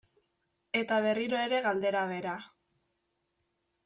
Eta berriro ere galdera bera.